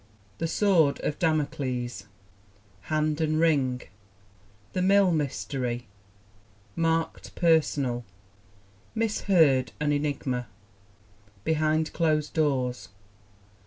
The Sword of Damocles. Hand and Ring. The Mill Mystery. Marked "Personal." Miss Hurd An Enigma. Behind Closed Doors.